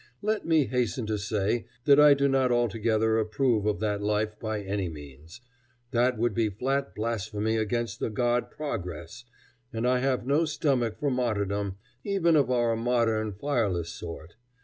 Let me hasten to say that I do not altogether approve of that life by any means. That would be flat blasphemy against the god Progress, and I have no stomach for martyrdom, even of our modern, fireless sort.